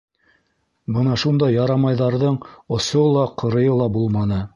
Бына шундай «ярамай»ҙарҙың осо ла, ҡырыйы ла булманы.